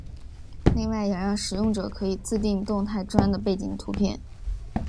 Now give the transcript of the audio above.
另外也让使用者可以自订动态砖的背景图片。